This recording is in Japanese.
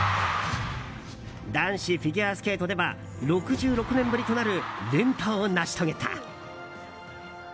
男子フィギュアスケートでは６６年ぶりとなる連覇を成し遂げた。